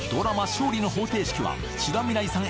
『勝利の法廷式』は志田未来さん